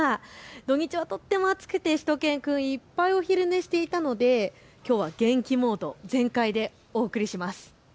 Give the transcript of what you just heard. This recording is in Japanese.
土日はとても暑くてしゅと犬くん、いっぱいお昼寝していたのできょうは元気モード全開でお送りします。